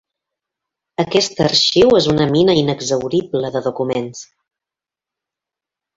Aquest arxiu és una mina inexhaurible de documents.